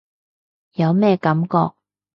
有咩感覺？